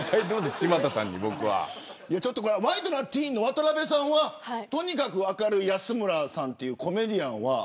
ワイドナティーンの渡邊さんはとにかく明るい安村さんというコメディアンは。